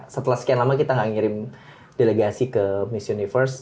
setelah sekian lama kita gak ngirim delegasi ke miss universe